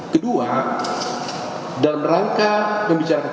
kedua dalam rangka pembicaraan tersebut